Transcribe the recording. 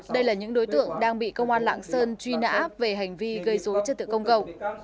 đây là những đối tượng đang bị công an lạng sơn truy nã về hành vi gây dối trật tự công cộng